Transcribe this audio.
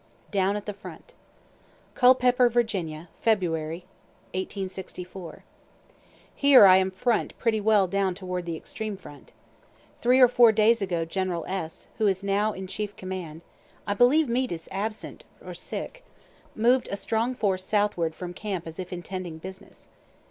DOWN AT THE FRONT CULPEPPER, VA., Feb. '64. Here I am FRONT pretty well down toward the extreme front. Three or four days ago General S., who is now in chief command, (I believe Meade is absent, sick,) moved a strong force southward from camp as if intending business.